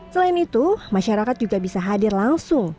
selain itu masyarakat juga bisa hadir langsung